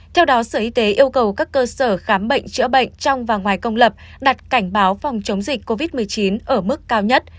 theo đó sở y tế yêu cầu các cơ sở khám bệnh chữa bệnh trong và ngoài công lập đặt cảnh báo phòng chống dịch covid một mươi chín ở mức cao nhất